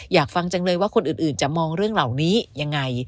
อยากฟังจังเลยว่าคนอื่นจะมองเรื่องเหล่านี้ยังไง